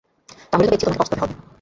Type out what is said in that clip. তা হলে তো দেখছি তোমাকে পস্তাতে হবে।